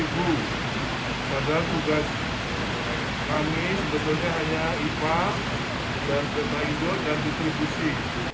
padahal tugas kami sebenarnya hanya ipa dan jendela indonesia dan distribusi